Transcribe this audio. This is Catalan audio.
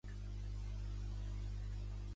Con dos...